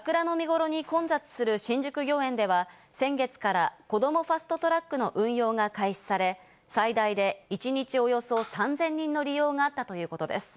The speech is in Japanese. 桜の見ごろに混雑する新宿御苑では、先月からこどもファスト・トラックの運用が開始され、最大で一日およそ３０００人の利用があったということです。